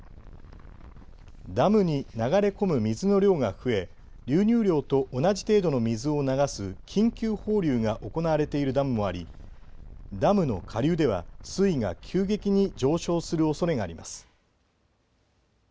ダムに流れ込む水の量が増え流入量と同じ程度の水を流す緊急放流が行われているダムもありダムの下流では水位が急激に上昇するおそれがあります。